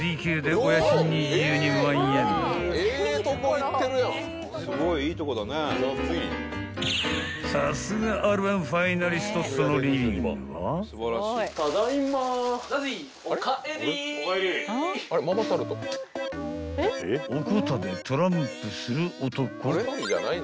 ［おこたでトランプする男］